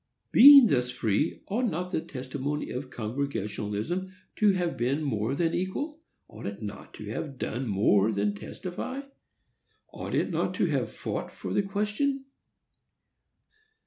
Being thus free, ought not the testimony of Congregationalism to have been more than equal? ought it not to have done more than testify?—ought it not to have fought for the question?